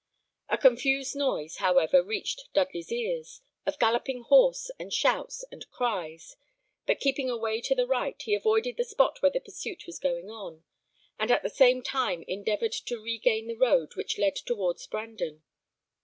A confused noise, however, reached Dudley's ears, of galloping horse, and shouts and cries; but, keeping away to the right, he avoided the spot where the pursuit was going on, and at the same time endeavoured to regain the road which led towards Brandon.